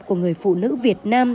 của người phụ nữ việt nam